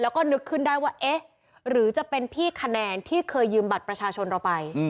แล้วก็นึกขึ้นได้ว่าเอ๊ะหรือจะเป็นพี่คะแนนที่เคยยืมบัตรประชาชนเราไป